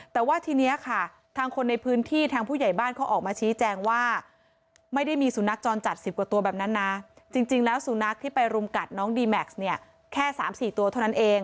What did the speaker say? แต่ว่าทีนี้ค่ะทางคนในพื้นที่ทางผู้ใหญ่บ้านเขาออกมาชี้แจงว่าไม่ได้มีสุนัขจรจัด๑๐กว่าตัวแบบนั้นนะจริงแล้วสุนัขที่ไปรุมกัดน้องดีแม็กซ์เนี่ยแค่๓๔ตัวเท่านั้นเอง